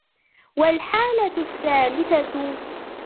وَالْحَالَةُ الثَّالِثَةُ